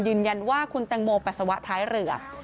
ยืนยันว่าคุณแตงโมปัสสาวะท้ายเรือ